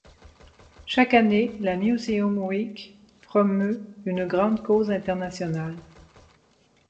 Chaque année, la Museum Week promeut une grande cause internationale.